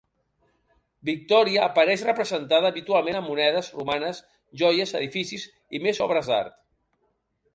Victòria apareix representada habitualment a monedes romanes, joies, edificis i més obres d'art.